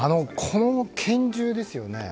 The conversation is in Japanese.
この拳銃ですよね。